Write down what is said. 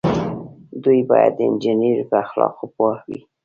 دوی باید د انجنیری په اخلاقو پوه وي.